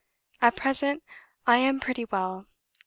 At present, I am pretty well.